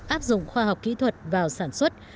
áp dụng khoa học kỹ thuật vào sản xuất